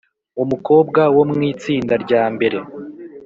Umukobwa wo mwitsinda ryambere